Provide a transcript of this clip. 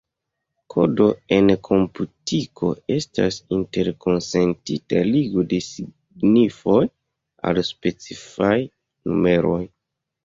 Kodo en komputiko estas interkonsentita ligo de signifoj al specifaj numeroj.